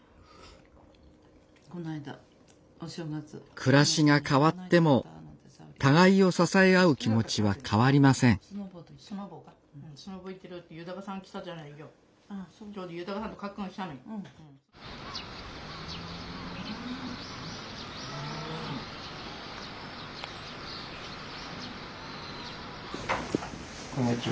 暮らしが変わっても互いを支え合う気持ちは変わりませんこんにちは。